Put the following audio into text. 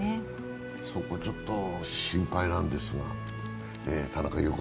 そこはちょっと心配なんですが。